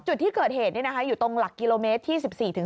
จุดที่เกิดเหตุอยู่ตรงหลักกิโลเมตรที่๑๔๒